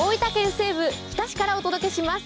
西部、日田市からお届けします。